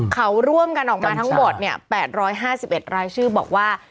เขาร่วมกันออกมาทั้งหมด๘๕๑รายชื่อบอกว่า